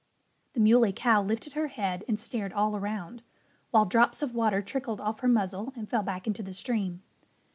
The Muley Cow lifted her head and stared all around, while drops of water trickled off her muzzle and fell back into the stream.